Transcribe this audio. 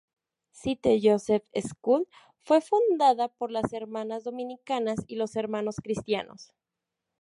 St Joseph's School fue fundada por las Hermanas Dominicanas y los Hermanos Cristianos.